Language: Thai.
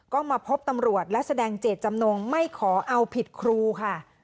ก็มาพบตำรวจและแสดงเจตจำนงไม่ขอเอาผิดครูค่ะ